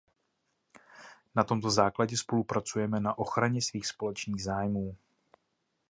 Na tomto základě spolupracujeme na ochraně svých společných zájmů.